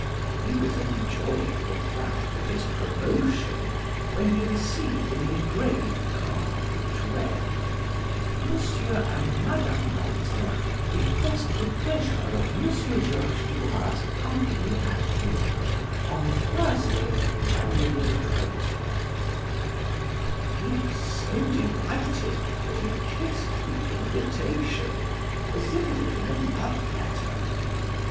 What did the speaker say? He was enjoying the fact of his promotion, when he received an engraved card which read: "M. and Mme. Walter request the pleasure of M. Georges Duroy's company at dinner on Thursday, January 20." He was so delighted that he kissed the invitation as if it had been a love letter.